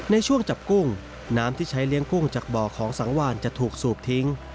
ในช่วงจับกุ้งน้ำที่ใช้เลี้ยงกุ้งจากบ่อของสังวานจะถูกสูบทิ้ง